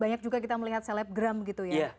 banyak juga kita melihat selebgram gitu ya